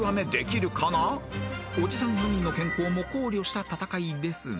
［おじさん４人の健康も考慮した戦いですが］